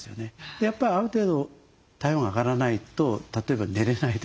やっぱりある程度体温が上がらないと例えば寝れないですね。